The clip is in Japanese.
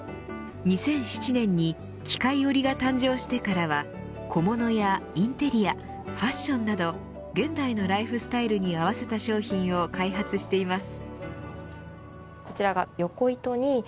２００７年に機械織が誕生してからは小物やインテリアファッションなど現代のライフスタイルに合わせた商品を開発しています。